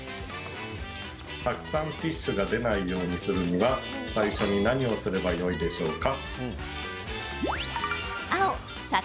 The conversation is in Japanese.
たくさんティッシュが出ないようにするには、最初に何をすればいいでしょうか？